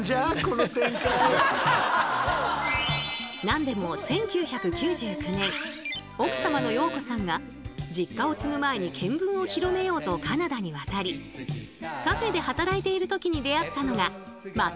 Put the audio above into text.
何でも１９９９年奥様の洋子さんが実家を継ぐ前に見聞を広めようとカナダに渡りカフェで働いている時に出会ったのがマクドナルドさん。